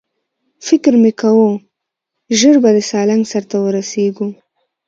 فکر مې کاوه ژر به د سالنګ سر ته ورسېږو.